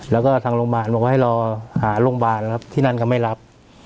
แล้วก็ทางโรงพยาบาลบอกว่าให้รอหาโรงพยาบาลครับที่นั่นก็ไม่รับ